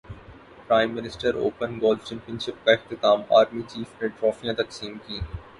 prime minister open golf championship کا اختتام army chief نے ٹرافیاں تقسیم کیں